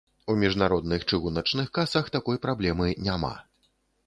У міжнародных чыгуначных касах такой праблемы няма.